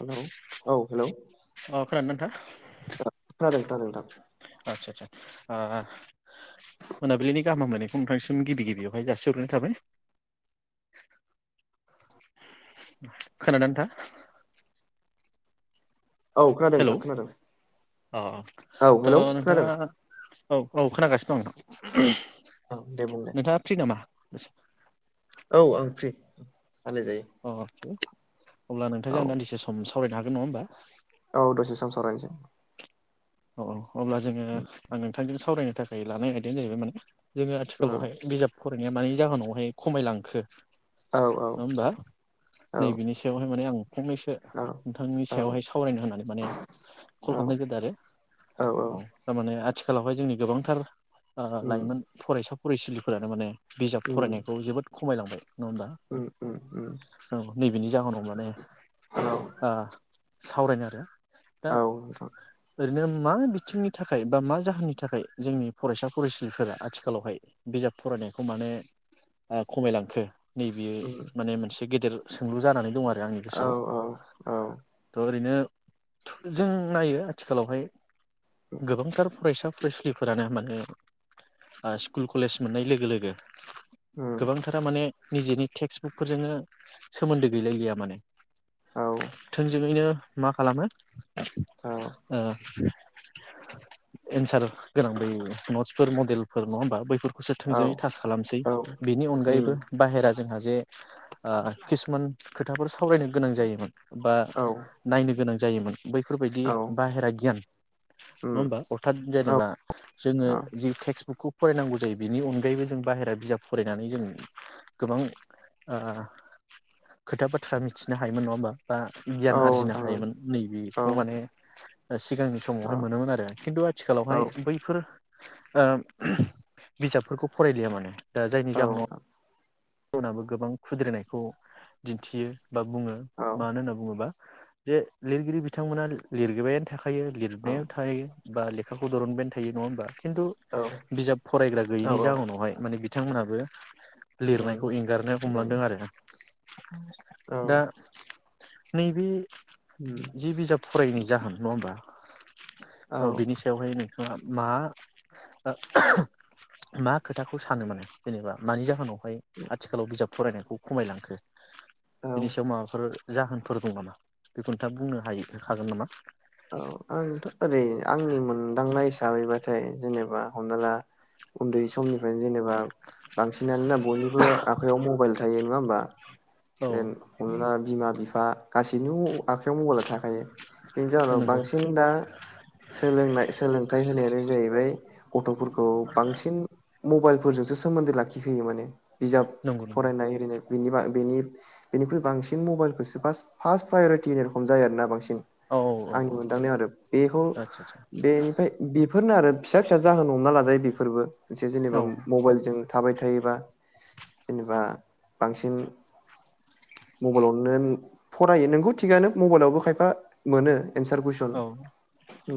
Hello औ hello अ खोनादों ना नोंथां दा नोंथां आतसा आतसा आ मोनाबिलिनि गाहाम हामलायनायखौ नोंथांसिम गिबि-गिबियावहाय जासिहरोननाय थाबाय। खोनादोंना नोंथां औ खोनादों हेलौ नोंथां खोनादों अ औ थ हेलौ खोनादों नोंथाङा अ औ औ खोनागा सिनो औ दे बुं दे नोंथाङा फ्रिनामा [inaudible] औ आं फ्रि रायलायजायो अ के अब्ला औ नोंथांजों आं दान्दिसे सम सावरायनो हागोन नङा‌ होमबा औ दसे सम सावरायनोसै अ‌ औ अब्ला जोंङो आं नोंथांजों सावरायनो थाखाय लानाय आयदयानो जाहैबाय माने जोंङो औ आथिखालावहाय बिजाब फरायनाया मानि जाहोनावहाय खमायलांखो? औ औ नङा होमबा औ नैबेनि सायावहाय माने आं फंनैसो औ नोंथांनि सायावहाय सावरायनो होननानै माने कल औ खालामनाय जादों आरो औ थारमाने [unintelligible] आथिखालावहाय जोंनि गोबांथार उम लाइमोन फरायसा फरायसुलिफोरानो माने बिजाब फरायनायखौ जोबोद खम खमायलांबाय नङा होमबा उम उम उ औ नैबेनि जाहोनाव माने औ ओ सावरायनो आरो दा ओ नोंथां। ओरैनो मा बिथिंनि थाखाय बा मा जाहोननि थाखाय जोंनि फरायसा फरायसुलिफोरा आथिखालावहाय बिजाब फरायनायखौ माने खमायलांखो? नैबेयो उम माने मोनसे गेदेर सोंलु जानानै दं आरो आंनि औ गोसोआव औ औ थ ओरैनो थु जों नायो आथिखालावहाय गोबांथार फरायसा फरायसुलिफोरानो माने स्कुल कलेज मोननाय लोगो लोगो उम गोबांथारा माने निजेनि टेक्सटबुकफोरजोंनो सोमोन्दो गैलायिया माने औ थोंजोंयैनो मा खालामो औ ओ एन्सार गोनां बे नट्सफोर मडेलफोर नङा होमबा बैफोर खौसो औ थोंजोङै थास खालामसै उम औ बिनि अनगायैबो बाहेरा जोंहा जे ओ किसुमान खोथाफोर सावरायनो गोनां जायोमोन बा नायनो गोनां जायोमोन बैफोरबायदि ओगियान नङा उम होनबा अथााद औ जेनेबा जोङो जि टेक्सटबुकखौ फरायनांगौ जायो बिनि अनगायैबो जों बाहेरा बिजाब फरायनानै जों गोबां आ खोथा बाथ्रा मिथिनो हायोमोन नङा होमबा बा औ गियान आरजिनो नोंथां हायोमोन नै औ बेखौ माने सिगांनि समावहाय मोनोमोन आरो खिन्थु औ आथिखालावहाय बैफोर ओ बिजाबफोरखौ फरायलिया माने दा जायनि औ जाहोनाव गुबुनाबो गोबां खुद्रिरिनायखौ दिन्थियो बा बुङो औ मानो होनना बुङोबा जे लिरगिरि बिथांमोना लिरगे बायानो थाखाय थायो लिरनायाव थायो बा लेखाखौ दरनबायनो थायो नङा होमबा खिन्थु औ बिजाब फरायग्रा औ गैयिनि औ जावनावहाय माने बिथांमोनहाबो उम लिरनायखौ एंगारनो उम हमलांदों आरो औ [inaudible] दा नै बे उम जि बिजाब फरायैनि जाहोन नङा होमबा औ बिनि सायावहाय नों थांया मा मा खोथाखौ सानो माने जेनेबा मानि जाहोनाव? [inaudible] आथिखालाव बिजाब फरायनायखौ खमायलांखो औ बिनि सायाव माबाफोर जाहोनफोर दं नामा बेखौ नोंथाङा बुंनो हायो हागोन नामा? औ आंथ' ओरै आंनि मोनदांनाय हिसाबैबा थाय जेनेबा हमना ला उन्दै समनिफ्रायनो जेनेबा बांसिनानो ना बयनिबो आखाइयाव मबाइल थायो नङा होमबा औ एम बिमा बि बा गासैनियाव आखायाव मबाइला थाखायो बेनि जाउनाव नंगौ बांसिन दा सोलोंनाय सोलोंथाइ होनायानो जाहैबाय गथ'फोरखौ बांसिन मबाइलफोरजोंसो सोमोन्दो लाखिहोयो माने बिजाब नंगौ नंगौ फरायनाय एरैनो बेनिबा बेनि बेनिख्रुइ बांसिन मबाइलखोसो फास फार्स्ट प्रायरिटि [inaudible] रखम जायो आरोना बांसिन औ औ औ आंनि औ मोनदांनायाव आरो बेखौ आदसा आदसा बेनिफाय बेफोरनो आरो फिसा फिसा जाहोन हमना लाजायो बेफोरबो मोनसे जेनेबा औ मबाइलजों थाबाय थायोबा जेनेबा बांसिन मबाइलावनो फरायो नोंखौ थिगानो मबाइलावबो खायफा मोनो। एन्सार कुइसन औ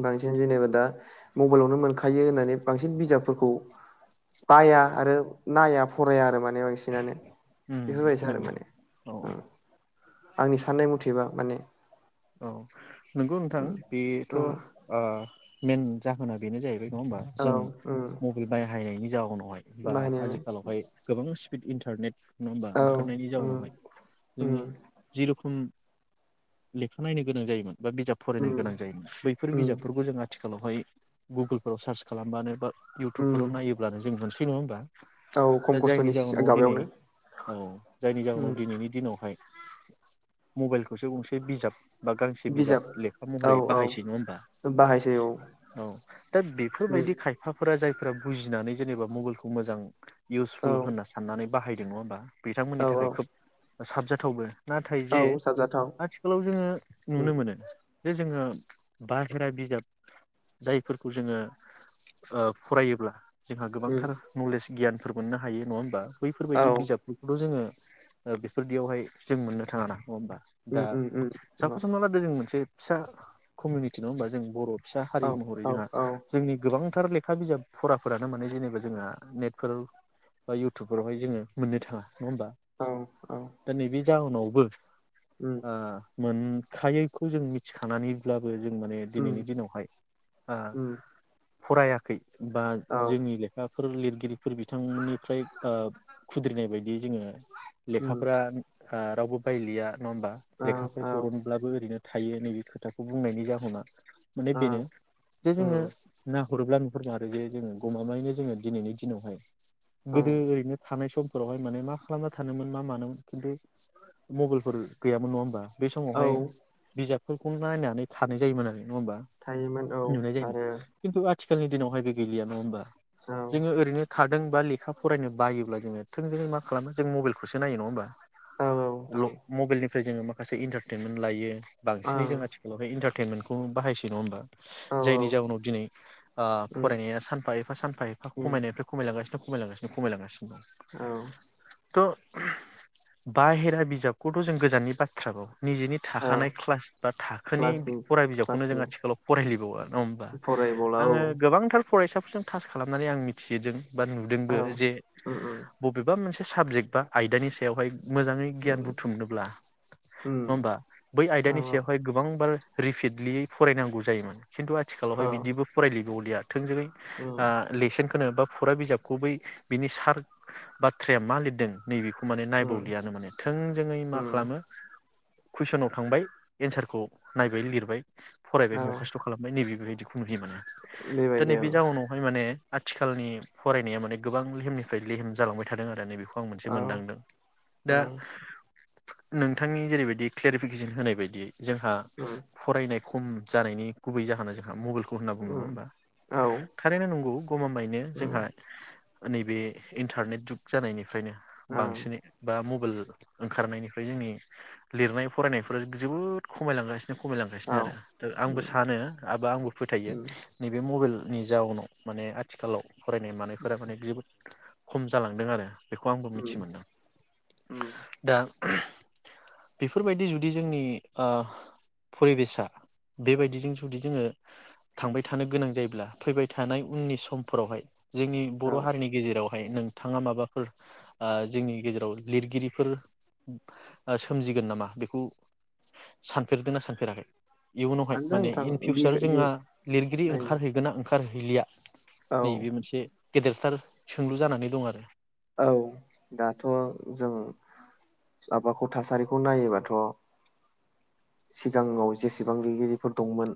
बांसिन जेनेबा दा। [unintelligible] मबाइलावनो मोनखायो होननानै बांसिन बिजाबफोरखौ बाया आरो नाया फराया आरो माने सिनानो उम बेफोरबायदि आरो नंगौ माने औ ओ आंनि साननाय मुथेबा माने औ [unintelligible] नोंगौ नोंथां बेथ' ओ मेन जाहोना बेनो जायो। [inaudible] नङा होमबा औ जों उम मबिल बायाहायनायनि जाहनावहाय बा बाहायनायानो आजिखालावहाय गोबां [inaudible] इन्टारनेट नङा होमबा औ ओंखारनायनि उम जाउनावहाय जोङो उम जेर'खम लेखा नायनो गोनां जायोमोन बा बिजाब फरायनो उम गोनां जायोमोन [unintelligible] बैफोर उम बिजाबफोरखौ जों आथिखालावहाय गुगोलफोराव सार्च खालामबानो बा उम इउटुबफोराव नायोब्लानो जों मोनसै नङा होमबा औ खम दा जायनि खस्थ'नि जाहोनाव दिनै माबायावनो औ जायनि जाहोनाव दिनैनि दिनाव [inaudible] मबाइलखौसो गंसे बे बिजाब बा गांसे बिजाब लेखा औ महरै औ बाहायसै नङा होमबा बाहायसै औ औ दा उम बेफोरबायदि खायफा फोरा जायफोरा बुजिनानै जेनेबा मबाइलखौ मोजां औ इउसफुल होनना साननानै बाहाय ए नङा होमबा बिथांमोननि औ थाखाय खोब साबजाथावबो नाथाय जे औ साबजा थाव आथिखालाव जोङो नुनो मोनो। जे जोङो बाहेरा बिजाब जायफोरखौ जोङो ओ फरायोब्ला जोंहा उम गोबांथार नलेज गियानफोर मोननो हायो नङा होमबा औ बैफोरबायदि बिजाबफोरखौल' जोङो ओ बेफोरदियावहाय जों मोननो थाङा ना नङा होमबा! दा उम उम उम औ साफ्स हमना ला दि जों मोनसे फिसा कमिउनिटि नंङा होमबा जों बर फिसा हारि औ महरै औ जोंहा औ जोंनि गोबां फोथार लेखा बिजाब फराफोरानो माने जेनेबा जोंहा नेटफोराव बा इयउटुबफोरावहाय जोंङो मोननो थांङा नंङा होमबा औ दा नै बेे जाउनाव बो उम आ मोनखायैखौ जों मिथिखानानैब्ला बो जों माने उम दिनैनि दिनावहाय आ उम फरायाखै बा औ जोंनि लेखा फोर लिरगिरिफोर बिथांमोननिफ्राय ओ खुद्रिनाय बायदियै जोंङो उम लेखाफ्रा आ रावबो बायलिया नंङा होमबा औ लेखाफोर औ [unintelligible] ब्लाबो ओरैनो थायो नैबे खोथाखौ बुंनायनि जाहोनाव माने औ बेनो जे जोंङो उम नों गुरोब्ला नफोर मारो जे जोंङो गमामायैनो जोंङो दिनैनि दिनावहाय उम गोदो ओरैनो थानाय सम फोरावहाय माने मा खालामना थानोमोन मा मानोमोन खिन्थु मबाइलफोर गैयामोन नंङा होनोमबा बे औ समावहाय बिजाब फोरखौ नायनानै थानाय जायोमोन आरो नङा होमबा थायोमोन औ नुनाय जायोमन आरो खिन्थु आथ सोलनि दिनावहाय बो गैया नंङा होनबा। औ जोंङो ओरैनोथ हादों बा लेखा फरायनो बायोब्ला जोंङो थोंजोङै मा खालामो जों मबाइलखौसो नायो नङा होमबा। औ नोंथां लग मबेलनि फ्राय जोंङो माखासे इन्टारटेनमेन्ट लायो। बांसिनै ओं जोंङो आथिखालाव इनथार टेनमेनखौ बाहायसै नंङा होनबा। औ औ जायनि जाउनाव दिनै ओ उम फरायनाया सानफा एफा सानफा एफा उम खमायनायनिफ्राय खमायलांगासिनोख खमायांगासिनो खमलांगासि दं। औ। थ' बाहेरा बिजाबखौथ' जों। गोजाननि बाथ्रााबाव। निजेनि औ थाखानाय क्लास बा थाखोनि बि क्लासनि फरा बिजाबखौनो जों क्लासनि आथिखालाव फरायलिबावा नङा होमबा फरायबला औ आंङो गोबांथार फरायसाफोरजों थास खालामनानै आं मिथियोदों। बा नुदोंबो औ जे उम उम बबेबा मोनसे साबजेक्ट बा आयदानि सायावहाय। मोजाङै गियान उम बुथुमनोब्ला। नङा उम होमबा बै औ आयदानि औ सायावहाय गोबां बा ओ रिपिडलियै फरायनांगौ जायोमोन। खिन्थु आथिखालावहाय औ बिदिबो फरायलि जौलिया थोंजोै उम ओ लेसोन होनो बा फरा बिजाबखौ बै बिनि सार बाथ्राया मा लिरदों। नैबेखौ माने उम नायबावलियानो माने थोंजोङै माख उम खालामो। कुइसनाव थांबाय एन्सारखौ नायबाय लिरबाय। फरायबाय औ मखस्थ' खालामबाय नैबेब [unintelligible] बेबायदि दोनै औ बे जाउनावहाय माने। आथिखालनि फरायनाया माने गोबां लेहेमनिफ्राय लेहेम जालांबाय थादों आरो नैबख खौ आं मोनसे औ मोनदांदों दा। उम नोंथांनि जेरैबायदि कलियारिफिकेसन होनाय बायदि जोंहा उम फरायनाय खम जानायनि गुबै जाहोन जोंहा मुलुग होनना बुङो नङा उम होमबा औ थारैनो नंगौ गमामायैनो उम जोंहा नैबे इन्टारनेट जुग जानायनि फ्रायनो ओं बांसिनै बा म ओंखारनायनि ओमफ्राय जोंनि लिरनाय फरायनायफोरा जोबोद खमायलांगासिनो खमायलांगासिनो औ आरो आंबो उम सानो आरो आंबो फोथायो उम नैबे मबाइल नि जाउनाव माने आथिखालाव फरायनाय मानायफोरा माने [unintelligible] खम जालांदों आरो। बेखौ आंबो उम मिथि मोनदों उम दा बेफोरबायदि जुदि जोंनि ओ परिबेसा बेबायदिजों जुदि जोङो थांबाय थानो गोनां जायोब्ला फैबाय थानाय उननि समफोरावहाय जोंनि औ बर' हारिनि गेजेरावहाय नों थाङा माबाफोर ओ जोंनि गेजेराव लिरगिरिफोर सोमजिगोन नामा बेखौ सानफेरदों ना सानफेराखै? इयुनावहाय सानदों माने नोंथां इन बि फिउसाराव बि जोंहा लिरगिरि ओं ओंखारहैगोन ना ओंखारहैलिया औ नैबे मोनसे गेदेरथार सोंलु जानानै दं आरो। औ दाथ' जों माबाखौ थासारिखौ नायोबाथ' सिगाङाव जेसेबां लिरगिरिफोर दंमोन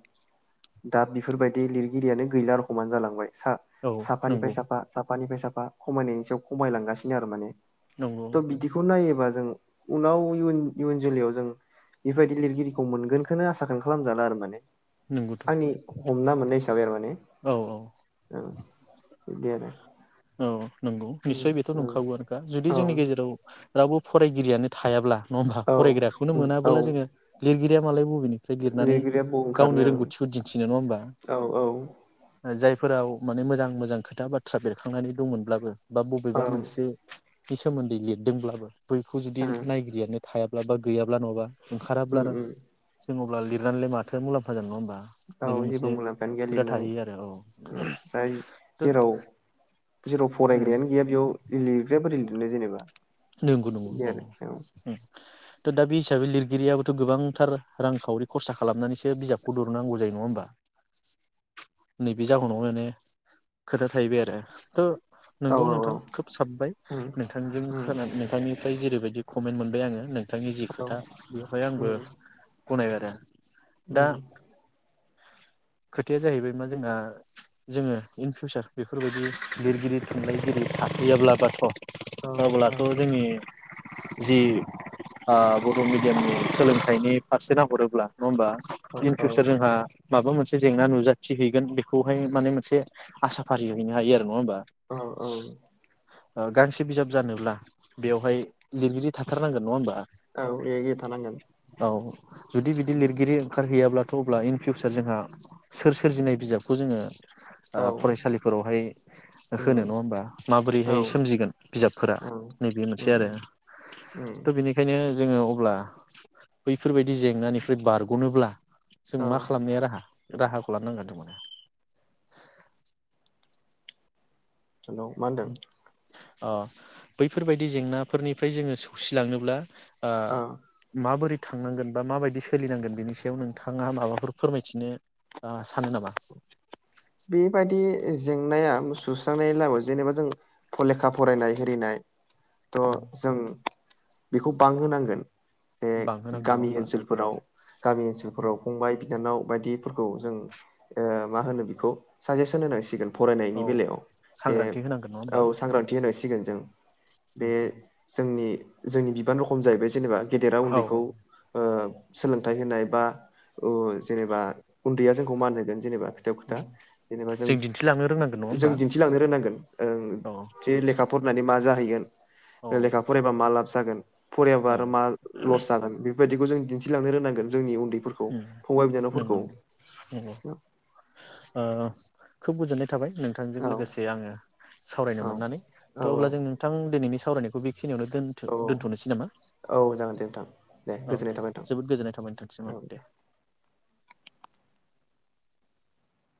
दा बेफोरबायदि लिरगिरियानो गैला रखमानो जालांबाय। सा औ साफानिफ्राय नंगौ साफा साफानिफ्राय साफा खमायनायनि सायाव खमायलांगासिनो आरो माने। नंगौ त' बिदिखौ नायोबा‌ जों उनाव इयुन जोलैयाव जों बेबायदि लिरगिरिखौ मोनगोनखौनो आसाखौनो खालामजाला आरो माने। नंगौथ' आंनि हमना मोननाय हिसाबै माने। औ बिदि आरो। औ। नंगौ उम निस्सय बेथ' उम नंखागौआनोखा जुदि जोंनि औ गेजेराव रावबो फरायगिरियानो थायाब्ला नङा होमबा औ फरायग्राखौनो उम औ मोनाबोला जोङो हिराया मालाय बबेनि लिरनानै लिरगिरिया बबाव गावनि ओंखारनो रोंगौथिखौ दिन्थिनो नङा होमबा औ औ ओं जायफोराव माने मोजां मोजां खोथा बाथ्रा बेरखा खांनानै दंमोनब्लाबो बा बबेबा ओं मोनसे बे सोमोन्दै लिरदोंब्लाबो बैखौ जुदि नायगिरियानो थायाब्ला बा गैयाब्ला नङाबा ओंखाराब्ला उम आरो उम जोंनाव अब्ला लिरनानैलाय माथो मुलाम्फा जानो नङा होमबा? औ नैबे जेबो मोनसे मुलाम्फायानो गैया खोथा लिरनानै थाहैयो आरो औ। उम जाय जेराव जेराव फरायग्रायानो गैया बेयाव लिरग्राया माबोरै लिरनो नों जेनेबा नंगौ नंगौ बिदि औ। आरो थ' दा बे हिसाबै लिरगिरियाबोथ' गोबांथार रांखावरि खरसा खालामनानैसो बिजाबखौ दरननांगौ जायो नङा होमबा नैबे जाहोनाव माने खोथा थाहैबाय आरो थ' औ नोंगौ औ औ नोंथां खोब साबबाय उम नोंथांजों उम खोननाय मेथाइनिफ्राय जेरैबायदि जि कमेन्ट मोनबाय आङो नों थांनि जि औ खोथा बेखौहाय आंबो उम गनायबाय आरो दा उम खोथाया जाहैबाय मा जोंना जोङो इन फिउसार बेफोरबायदि लिरगिरि थुनलाइगिरि थाहैयाब्ला बाथ' औ औ अब्लाथ' जोंनि जि आ बर' मिडियामनि सोलोंथाइनि फारसे नाहरोब्ला‌ नङा होमबा औ इन औ फिउसार जोंहा‌ माबा मोनसे जेंना नुजाथि हैगोन बेखौहाय माने मोनसे आसा फारिहैनो हायो आरो नङा होमबा औ औ ओ गांसे बिजाब जानोब्ला बेवहाय लिरगिरि थाथारनांगोन नङा होमबा औ लिरगिरि थानांगोन औ जुदि बिदि लिरगिरि ओंखारहै अब्लाथ' अब्ला इन फिउसार जोंहा सोर सोरजिनाय बिजाबखौ जोङो आ औ फरायसालिफोरावहाय उम होनो नङा होमबा औ माबोरैहाय सोमजिगोन बिजाबफोरा उम नैबे मोनसे उम आरो उम थ' बेनिखायनो जोङो अब्ला बैफोरबायदि जेंनानिफ्राय बारग'नोब्ला जों औ मा खालामनाया राहा राहाखौ लनांगोन उनाव मा होनदों अ बैफोरबायदि जेंनाफोरनिफ्राय जोङो सौसिलाङोब्ला आ औ माबोरै थांनांगोन बा माबायदि सोलिनांगोन बेनि सायाव नोंथाङा माबाफोर फोरमायथिनो सानो नामा बे बायदि जेंनाया सुस्रांनायनिब्लाबो जेनेबा जों फ लेखा फरायनाय हिनाय थ' जों बेखौ बांहोनांगोन बे बांहोनांगोन नङा गामि होमबा ओनसोलफोराव गामि ओनसोलफोराव फंबाय बिनानाव बायदिफोरखौ जों ओ मा होनो बेखौ साजेसन होनांसिगोन फरायनायनि औ बेलायाव जे सांग्रांथि होनांगोन नङा होमबा औ सांग्रांथि होनायसिगोन जों बे जोंनि जोंनि बिबान रखम जाहैबाय जेनेबा गेदेरा औ उन्दैखौ औ ओ सोलोंथाइ होनाय बा अ जेनेबा उन्दैया जोंखौ मान होन जेनेबा खोथायाव खोथा जेनेबा जों दिन्थिलांनो रोंनांगोन नङा जों होमबा दिन्थिलांनो रोंनांगोन ओ औ जे निसय लेखा फरायनानै मा जाहैगोन। औ लेखा फरायबा मा लाब जागोन फरायाबा औ आरो मा लस जागोन बेफोरबायदिखौ जों दिन्थिलांनो रोंनांगोन जोंनि उन फोरखौ फंबाय नंगौ नंगौ नंगौ बिनानावफोरखौ ओ। खो बु [unintelligible] थाबाय नोंथांजों औ लोगोसे आंङो सावरायनो औ मोननानै औ थ' अब्ला जों नोंथां दिनैनि सावरायनायखौ बे खिनियावनो दोन औ दोनथ'नोसै नामा? औ औ जागोन दे नोंथां औ गोजोननाय दे थाबाय नोंथां जोबोद गोजोननाय थाबाय नोंथांनिसिम आं दे।